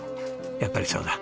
やっぱりそうだ。